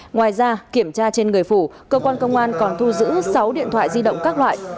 ngoài ra kiểm tra trên người phụ cơ quan công an còn thu giữ sáu điện thoại di động các loại